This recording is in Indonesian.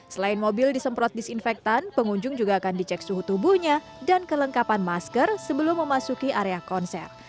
selain mobil disemprot disinfektan pengunjung juga akan dicek suhu tubuhnya dan kelengkapan masker sebelum memasuki area konser